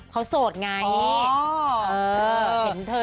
เขาโสดไง